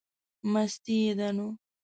مستي یې ده نو.